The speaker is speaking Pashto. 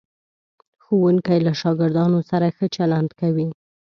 ښوونکی له شاګردانو سره ښه چلند کوي.